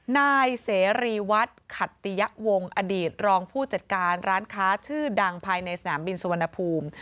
นายเสรีวัฒน์ขัตติยะวงอดีตรองผู้จัดการร้านค้าชื่อดังภายในสนามบินสุวรรณภูมิ